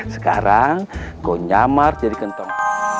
sekarang kau nyamar jadi kentong